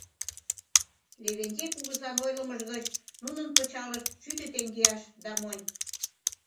Левентей кугызан ойлымо гыч нунын пычалышт шӱдӧ теҥгеаш да монь...